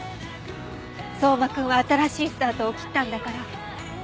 相馬くんは新しいスタートを切ったんだから。